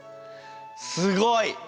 すごい！